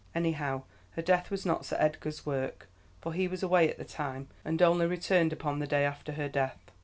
Anyhow, her death was not Sir Edgar's work, for he was away at the time, and only returned upon the day after her death.